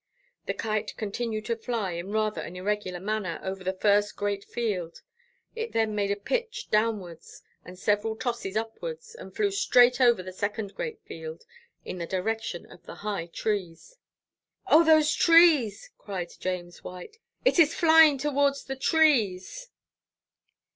The Kite continued to fly in rather an irregular manner over the first great field. It then made a pitch downwards, and several tosses upwards, and flew straight over the second great field, in the direction of the high trees. "O, those trees!" cried James White, "it is flying towards the trees!"